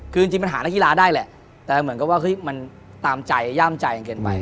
คือจริงมันหานักกีฬาได้แหละแต่เหมือนกับว่าเฮ้ยมันตามใจย่ามใจเกินไป